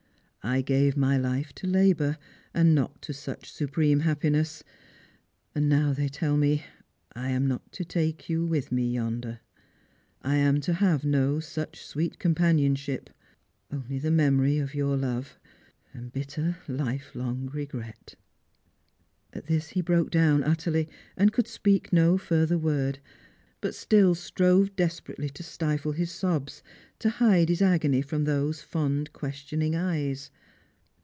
I gave my life to labour, and not to such supreme happiness; and now, they tell me, I am not to take you with me yonder. I am to have no such sweet companionship ; only the memory of your love, and bitter lifelong regret." At this he broke down utterly, and could speak no furt ler word ; but still strove desperately to stifle his sobs, to hide hig agony from those fond questioning eyes.